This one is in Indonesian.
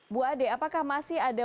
bu ade apakah masih ada